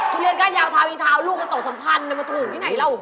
ทุเรียนก้านยาวทาวลูกก็สองสัมพันธุ์มันมาถูกที่ไหนแล้ว